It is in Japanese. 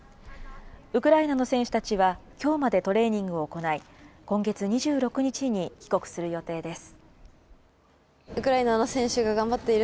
ウクライナの選手たちはきょうまでトレーニングを行い、今月２６日に帰国する予定です。